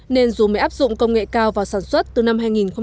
nên dù mới áp dụng công nghệ cao vào sản xuất từ năm hai nghìn một mươi bảy